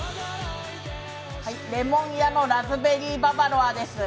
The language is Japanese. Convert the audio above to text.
檸檬屋のラズベリーババロアです。